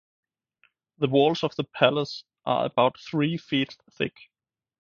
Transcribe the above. The walls of the palace are about three feet thick.